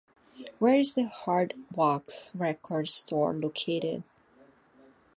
Where is the "Hardwax" record store located?